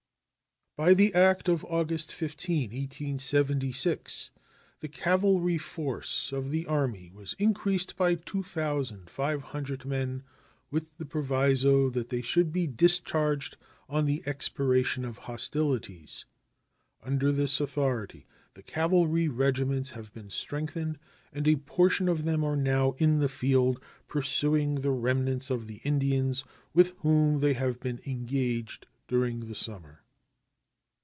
By the act of August 15, 1876, the cavalry force of the Army was increased by 2,500 men, with the proviso that they should be discharged on the expiration of hostilities. Under this authority the cavalry regiments have been strengthened, and a portion of them are now in the field pursuing the remnants of the Indians with whom they have been engaged during the summer.